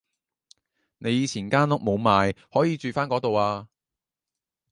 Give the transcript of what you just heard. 你以前間屋冇賣可以住返嗰度啊